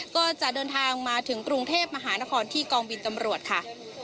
ก็จะเดินทางมาถึงกรุงเทพมหานครที่กองบินตำรวจค่ะ